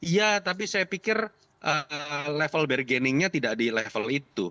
ya tapi saya pikir level bergeningnya tidak di level itu